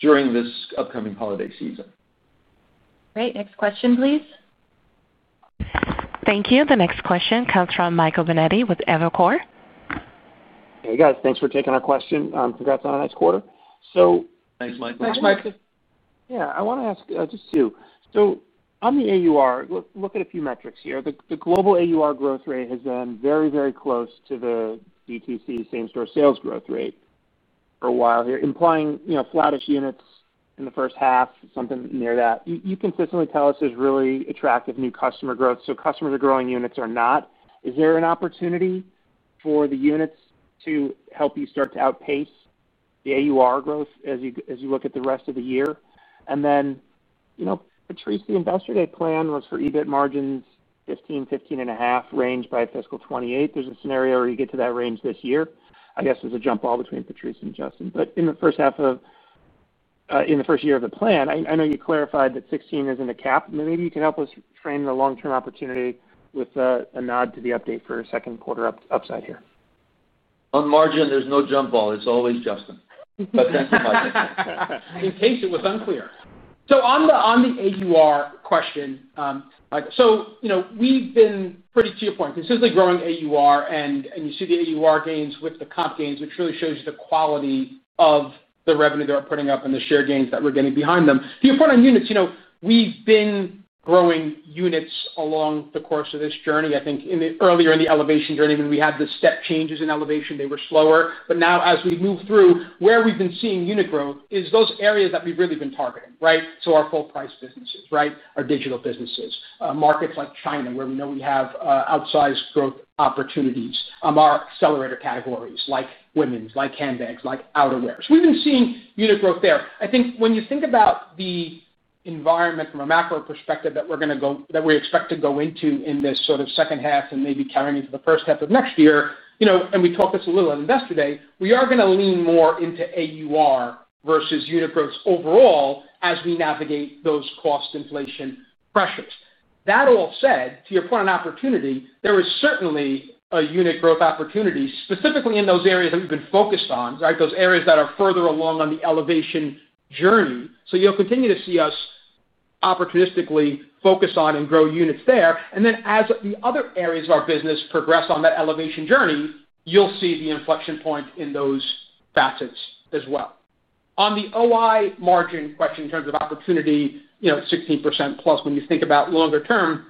during this upcoming holiday season. Great. Next question, please. Thank you. The next question comes from Michael Binetti with Evercore ISI. Hey, guys. Thanks for taking our question. Congrats on a nice quarter. Thanks, Michael. Yeah. I want to ask just you. On the AUR, look at a few metrics here. The global AUR growth rate has been very, very close to the DTC same-store sales growth rate for a while here, implying flattish units in the first half, something near that. You consistently tell us there is really attractive new customer growth. Customers are growing, units are not. Is there an opportunity for the units to help you start to outpace the AUR growth as you look at the rest of the year? Patrice, the investor day plan was for EBIT margins 15-15.5% range by fiscal 2028. There is a scenario where you get to that range this year. I guess there is a jump ball between Patrice and Justin. In the first half of, in the first year of the plan, I know you clarified that '16 is in the cap. Maybe you can help us frame the long-term opportunity with a nod to the update for second quarter upside here. On margin, there is no jump ball. It is always Justin. Thanks so much. In case it was unclear. On the AUR question, we have been, pretty to your point, consistently growing AUR. You see the AUR gains with the comp gains, which really shows you the quality of the revenue they are putting up and the share gains that we are getting behind them. To your point on units, we have been growing units along the course of this journey. I think earlier in the elevation journey, when we had the step changes in elevation, they were slower. Now, as we move through, where we've been seeing unit growth is those areas that we've really been targeting, right? Our full-price businesses, right? Our digital businesses, markets like China where we know we have outsized growth opportunities, our accelerator categories like women's, like handbags, like outerwear. We've been seeing unit growth there. I think when you think about the environment from a macro perspective that we're going to go that we expect to go into in this sort of second half and maybe carrying into the first half of next year, and we talked this a little at investor day, we are going to lean more into AUR versus unit growth overall as we navigate those cost inflation pressures. That all said, to your point on opportunity, there is certainly a unit growth opportunity specifically in those areas that we've been focused on, right? Those areas that are further along on the elevation journey. You will continue to see us opportunistically focus on and grow units there. As the other areas of our business progress on that elevation journey, you will see the inflection point in those facets as well. On the OI margin question in terms of opportunity, 16% plus when you think about longer term,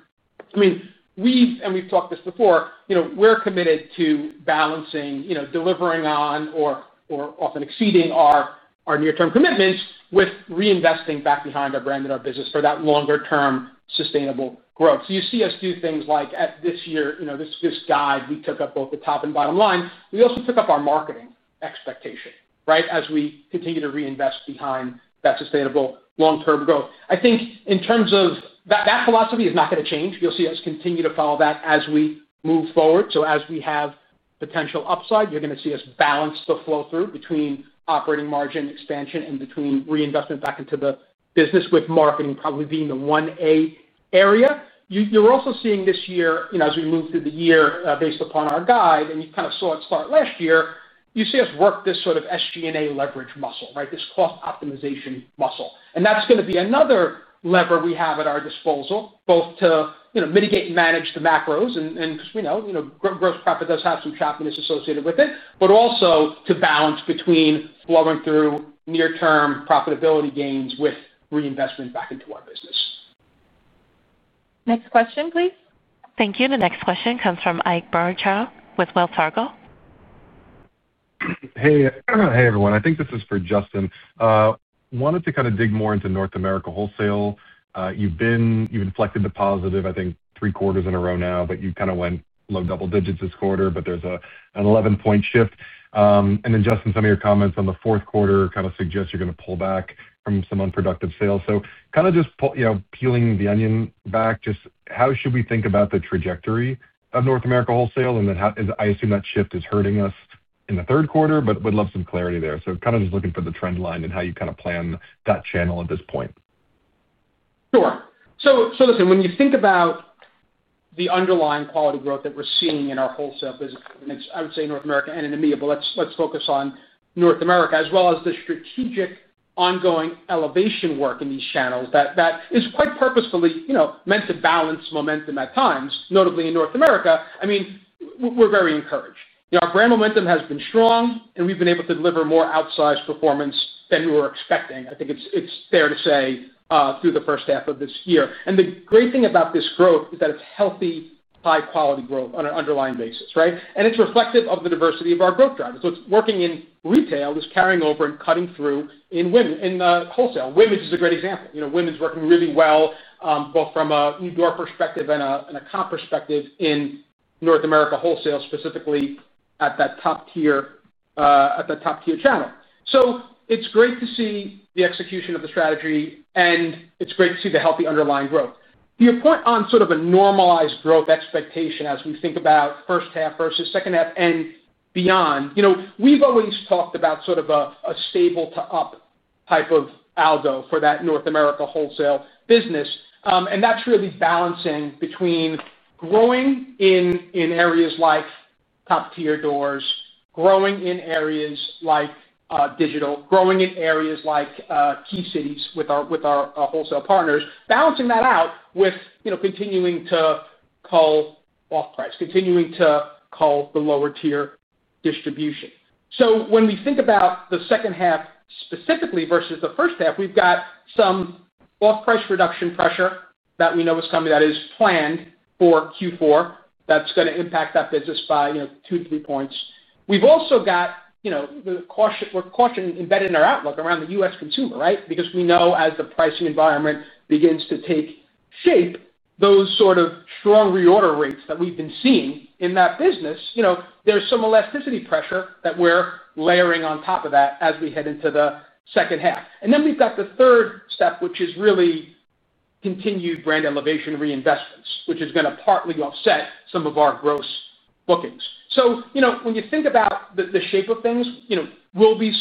I mean, and we have talked this before, we are committed to balancing, delivering on, or often exceeding our near-term commitments with reinvesting back behind our brand and our business for that longer-term sustainable growth. You see us do things like this year, this guide, we took up both the top and bottom line. We also took up our marketing expectation, right, as we continue to reinvest behind that sustainable long-term growth. I think in terms of that philosophy, it is not going to change. You'll see us continue to follow that as we move forward. As we have potential upside, you're going to see us balance the flow through between operating margin expansion and between reinvestment back into the business with marketing probably being the 1A area. You're also seeing this year, as we move through the year based upon our guide, and you kind of saw it start last year, you see us work this sort of SG&A leverage muscle, right? This cost optimization muscle. That's going to be another lever we have at our disposal, both to mitigate and manage the macros, and because we know gross profit does have some choppiness associated with it, but also to balance between flowing through near-term profitability gains with reinvestment back into our business. Next question, please. Thank you. The next question comes from Ike Boruchow with Wells Fargo. Hey, everyone.I think this is for Justin. Wanted to kind of dig more into North America wholesale. You've inflected to positive, I think, three quarters in a row now, but you kind of went low double digits this quarter, but there's an 11-point shift. And then, Justin, some of your comments on the fourth quarter kind of suggest you're going to pull back from some unproductive sales. Kind of just peeling the onion back, just how should we think about the trajectory of North America wholesale? I assume that shift is hurting us in the third quarter, but would love some clarity there. Kind of just looking for the trend line and how you plan that channel at this point. Sure. Listen, when you think about the underlying quality growth that we're seeing in our wholesale business, and it's, I would say, North America and in the media, but let's focus on North America, as well as the strategic ongoing elevation work in these channels that is quite purposefully meant to balance momentum at times, notably in North America, I mean, we're very encouraged. Our brand momentum has been strong, and we've been able to deliver more outsized performance than we were expecting. I think it's fair to say through the first half of this year. The great thing about this growth is that it's healthy, high-quality growth on an underlying basis, right? It's reflective of the diversity of our growth drivers. It's working in retail, it's carrying over and cutting through in wholesale. Women's is a great example. Women's working really well, both from an AUR perspective and a comp perspective in North America wholesale, specifically at that top-tier channel. It's great to see the execution of the strategy, and it's great to see the healthy underlying growth. To your point on sort of a normalized growth expectation as we think about first half versus second half and beyond, we've always talked about sort of a stable-to-up type of algo for that North America wholesale business. That's really balancing between growing in areas like top-tier doors, growing in areas like digital, growing in areas like key cities with our wholesale partners, balancing that out with continuing to cull off-price, continuing to cull the lower-tier distribution. When we think about the second half specifically versus the first half, we've got some off-price reduction pressure that we know is coming that is planned for Q4 that's going to impact that business by 2-3 points. We've also got the caution embedded in our outlook around the U.S. consumer, right? Because we know as the pricing environment begins to take shape, those sort of strong reorder rates that we've been seeing in that business, there's some elasticity pressure that we're layering on top of that as we head into the second half. Then we've got the third step, which is really continued brand elevation reinvestments, which is going to partly offset some of our gross bookings. When you think about the shape of things, there will be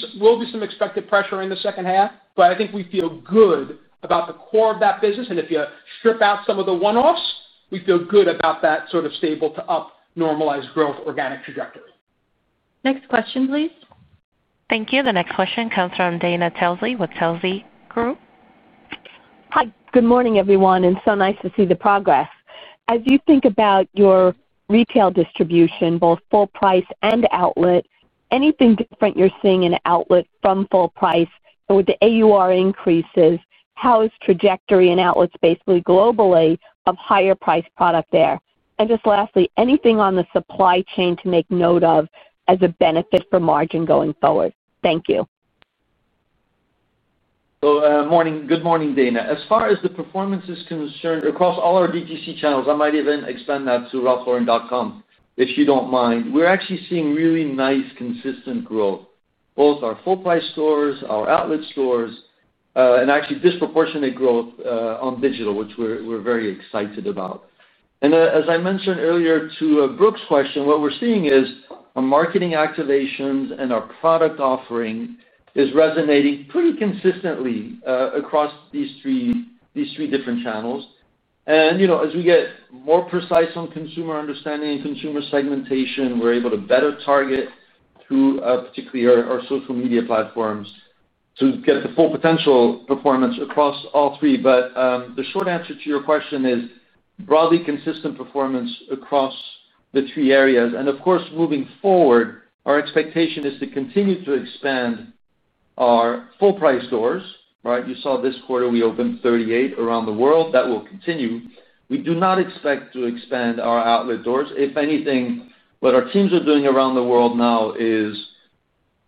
some expected pressure in the second half, but I think we feel good about the core of that business. If you strip out some of the one-offs, we feel good about that sort of stable-to-up normalized growth organic trajectory. Next question, please. Thank you. The next question comes from Dana Telsey with Telsey Advisory Group. Hi. Good morning, everyone. So nice to see the progress. As you think about your retail distribution, both full-price and outlet, anything different you're seeing in outlet from full-price with the AUR increases? How is trajectory in outlet space globally of higher-priced product there? Just lastly, anything on the supply chain to make note of as a benefit for margin going forward? Thank you. Good morning, Dana. As far as the performance is concerned, across all our DTC channels, I might even expand that to ralphlauren.com, if you do not mind. We're actually seeing really nice, consistent growth, both our full-price stores, our outlet stores, and actually disproportionate growth on digital, which we're very excited about. As I mentioned earlier to Brooke's question, what we're seeing is our marketing activations and our product offering is resonating pretty consistently across these three different channels. As we get more precise on consumer understanding and consumer segmentation, we're able to better target through particularly our social media platforms to get the full potential performance across all three. The short answer to your question is broadly consistent performance across the three areas. Of course, moving forward, our expectation is to continue to expand our full-price stores, right? You saw this quarter we opened 38 around the world. That will continue. We do not expect to expand our outlet doors. If anything, what our teams are doing around the world now is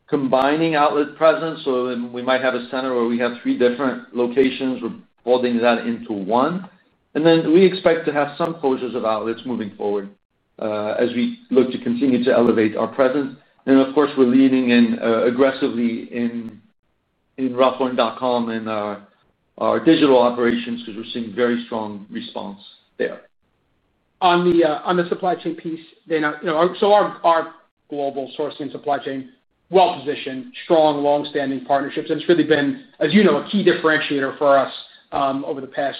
combining outlet presence. We might have a center where we have three different locations. We are folding that into one. We expect to have some closures of outlets moving forward as we look to continue to elevate our presence. Of course, we are leaning in aggressively in RalphLauren.com and our digital operations because we are seeing very strong response there. On the supply chain piece, our global sourcing supply chain is well-positioned, strong, long-standing partnerships. It has really been, as you know, a key differentiator for us over the past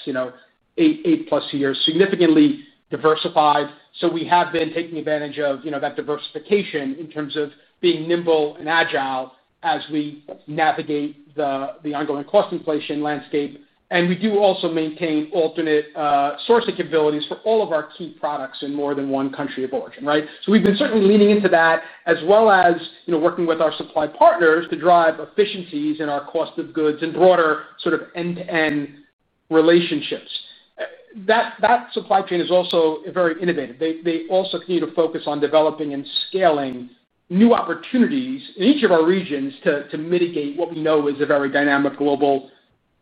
eight-plus years, significantly diversified. We have been taking advantage of that diversification in terms of being nimble and agile as we navigate the ongoing cost inflation landscape. We do also maintain alternate sourcing capabilities for all of our key products in more than one country of origin, right? We have been certainly leaning into that as well as working with our supply partners to drive efficiencies in our cost of goods and broader sort of end-to-end relationships. That supply chain is also very innovative. They also continue to focus on developing and scaling new opportunities in each of our regions to mitigate what we know is a very dynamic global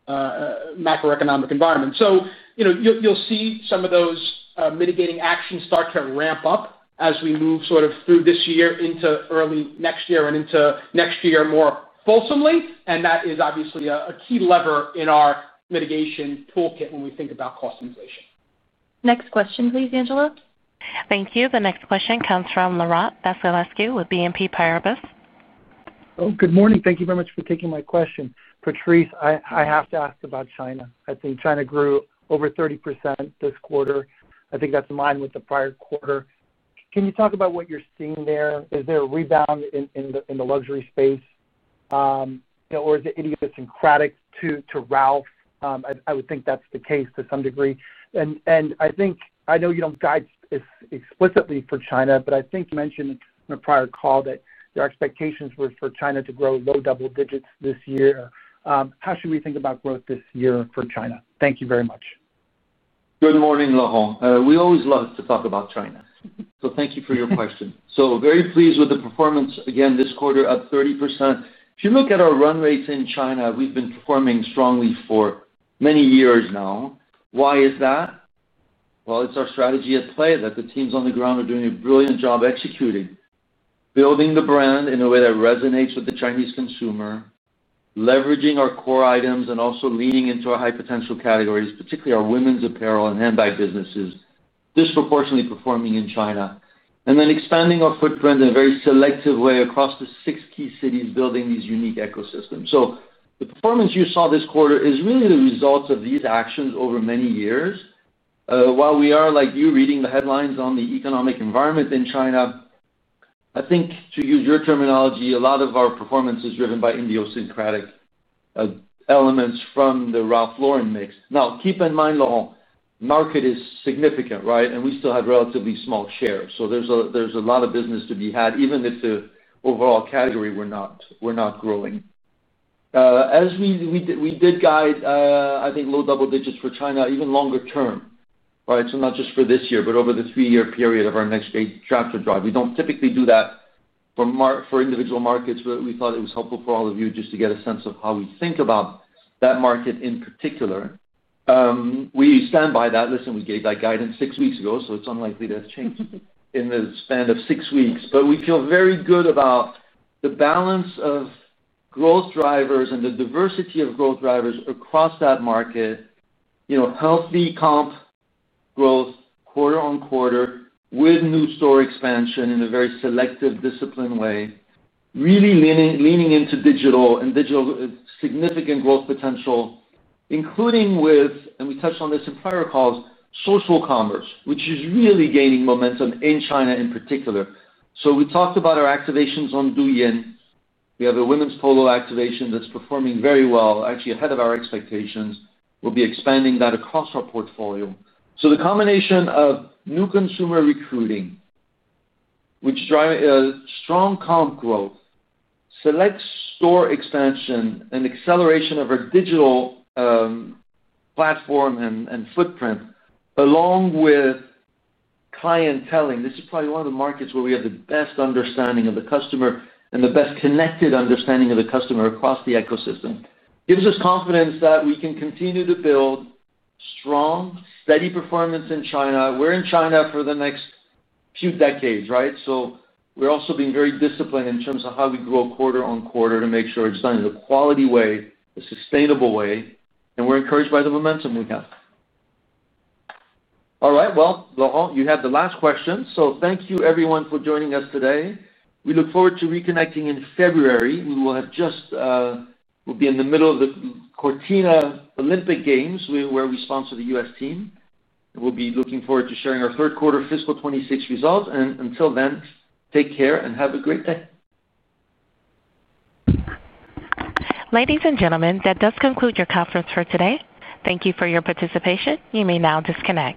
macroeconomic environment. You will see some of those mitigating actions start to ramp up as we move through this year into early next year and into next year more fulsomely. That is obviously a key lever in our mitigation toolkit when we think about cost inflation. Next question, please, Angela. Thank you. The next question comes from Laurent Vasilescu with BNP Paribas. Good morning. Thank you very much for taking my question. Patrice, I have to ask about China. I think China grew over 30% this quarter. I think that is in line with the prior quarter. Can you talk about what you are seeing there? Is there a rebound in the luxury space, or is it idiosyncratic to Ralph? I would think that is the case to some degree. I know you do not guide explicitly for China, but I think you mentioned in a prior call that your expectations were for China to grow low double digits this year. How should we think about growth this year for China? Thank you very much. Good morning, Laurent. We always love to talk about China. Thank you for your question. Very pleased with the performance, again, this quarter at 30%. If you look at our run rates in China, we have been performing strongly for many years now. Why is that? It is our strategy at play that the teams on the ground are doing a brilliant job executing, building the brand in a way that resonates with the Chinese consumer, leveraging our core items, and also leaning into our high-potential categories, particularly our women's apparel and handbag businesses, disproportionately performing in China, and then expanding our footprint in a very selective way across the six key cities, building these unique ecosystems. The performance you saw this quarter is really the result of these actions over many years. While we are like you reading the headlines on the economic environment in China. I think, to use your terminology, a lot of our performance is driven by idiosyncratic elements from the Ralph Lauren mix. Now, keep in mind, Laurent, the market is significant, right? And we still have relatively small shares. So there's a lot of business to be had, even if the overall category were not growing. As we did guide, I think, low double digits for China even longer term, right? So not just for this year, but over the three-year period of our next big tractor drive. We do not typically do that for individual markets, but we thought it was helpful for all of you just to get a sense of how we think about that market in particular. We stand by that. Listen, we gave that guidance six weeks ago, so it's unlikely to have changed in the span of six weeks. We feel very good about the balance of growth drivers and the diversity of growth drivers across that market. Healthy comp growth quarter on quarter with new store expansion in a very selective, disciplined way, really leaning into digital and digital significant growth potential, including with, and we touched on this in prior calls, social commerce, which is really gaining momentum in China in particular. We talked about our activations on Douyin. We have a women's polo activation that's performing very well, actually ahead of our expectations. We'll be expanding that across our portfolio. The combination of new consumer recruiting, which drives strong comp growth, select store expansion, and acceleration of our digital platform and footprint, along with clientele. This is probably one of the markets where we have the best understanding of the customer and the best connected understanding of the customer across the ecosystem. It gives us confidence that we can continue to build. Strong, steady performance in China. We are in China for the next few decades, right? We are also being very disciplined in terms of how we grow quarter on quarter to make sure it is done in a quality way, a sustainable way. We are encouraged by the momentum we have. All right. Laurent, you had the last question. Thank you, everyone, for joining us today. We look forward to reconnecting in February. We will have just—we will be in the middle of the Cortina Olympic Games, where we sponsor the US team. We will be looking forward to sharing our third-quarter fiscal 2026 results. Until then, take care and have a great day. Ladies and gentlemen, that does conclude your conference for today. Thank you for your participation. You may now disconnect.